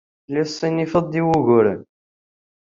Tellid tessinifed i wuguren.